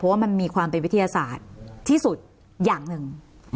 ว่ามันมีความเป็นวิทยาศาสตร์ที่สุดอย่างหนึ่ง